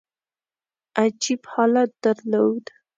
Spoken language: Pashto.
عجیب حالت درلود.